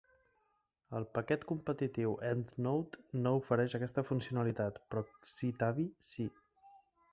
El paquet competitiu EndNote no ofereix aquesta funcionalitat, però Citavi sí.